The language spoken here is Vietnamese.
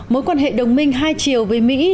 mối quan hệ đồng minh hai chiều với mỹ